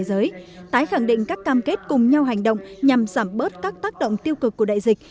tái khẳng định các cam kết cùng nhau hành động nhằm giảm bớt các tác động tiêu cực của đại dịch